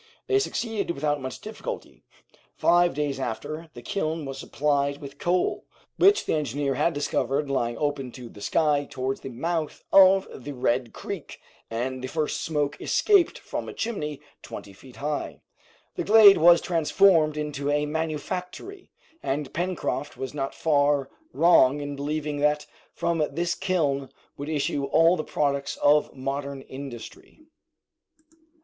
They succeeded without much difficulty. Five days after, the kiln was supplied with coal, which the engineer had discovered lying open to the sky towards the mouth of the Red Creek, and the first smoke escaped from a chimney twenty feet high. The glade was transformed into a manufactory, and Pencroft was not far wrong in believing that from this kiln would issue all the products of modern industry.